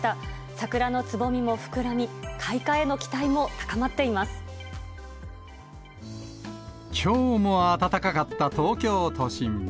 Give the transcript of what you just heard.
桜のつぼみも膨らみ、きょうも暖かかった東京都心。